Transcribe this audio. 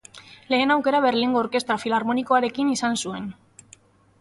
Lehen aukera Berlingo Orkestra Filarmonikoarekin izan zuen.